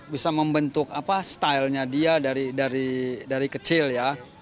bisa membentuk apa stylenya dia dari kecil ya